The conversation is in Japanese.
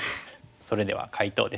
それでは解答です。